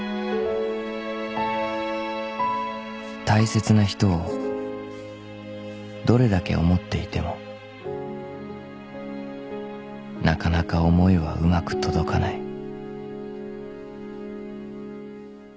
［大切な人をどれだけ思っていてもなかなか思いはうまく届かない］